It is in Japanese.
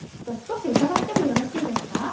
少し伺ってもよろしいですか？